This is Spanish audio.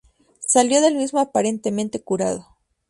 Salió del mismo aparentemente curado.